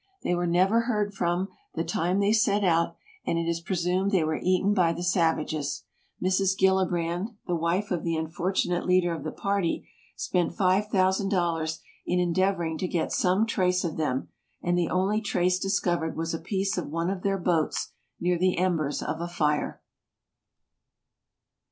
They were never heard of from the time they set out, and it is presumed they were eaten by the savages. Mrs. Gilli brand, the wife of the unfortunate leader of the party, spent $5,000 in endeavoring SKETCHES OF TRAVEL to get some trace of them, and the only trace discovered was a piece of one of their boats near the embers of a fire.